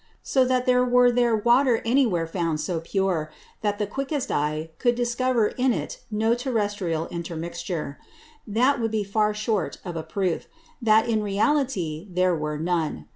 So that were there Water any where found so pure, that the quickest Eye could discover in it no terrestrial Intermixture; that would be far short of a Proof, that in reality there was none.